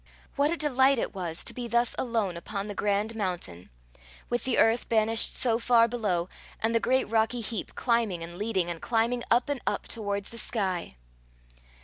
What a delight it was to be thus alone upon the grand mountain! with the earth banished so far below, and the great rocky heap climbing and leading and climbing up and up towards the sky!